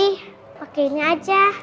ini aldi pake ini aja